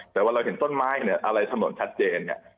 แต่ว่าเราเห็นต้นไม้เนี่ยอะไรถนนชัดเจนเนี่ย